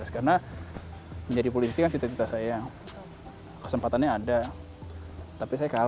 karena menjadi politisi kan cita cita saya yang kesempatannya ada